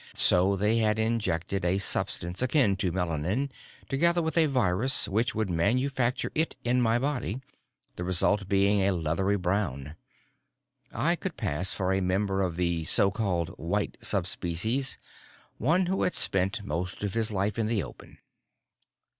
So they had injected a substance akin to melanin, together with a virus which would manufacture it in my body, the result being a leathery brown. I could pass for a member of the so called "white" subspecies, one who had spent most of his life in the open.